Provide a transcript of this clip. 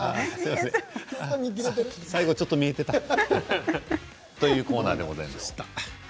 最後ちょっと見えていたというコーナーでございました。